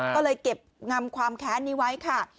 ก็เลยเก็บงำความแค้นนี้ไว้ค่ะ